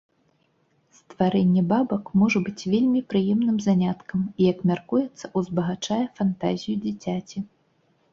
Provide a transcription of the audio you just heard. Стварэнне бабак можа быць вельмі прыемным заняткам, і, як мяркуецца, узбагачае фантазію дзіцяці.